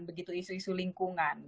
begitu isu isu lingkungan